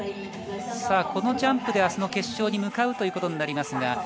このジャンプで明日の決勝に向かうということになります。